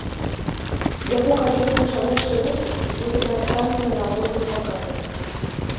Яго калекцыя жаночай вопраткі будзе прадстаўлена на модным паказе.